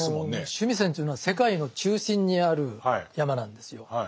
須弥山というのは世界の中心にある山なんですよ。